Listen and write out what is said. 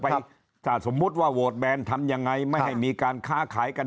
ถ้าสมมุติว่าโหวตแบนทำยังไงไม่ให้มีการค้าขายกัน